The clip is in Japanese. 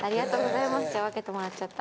分けてもらっちゃった。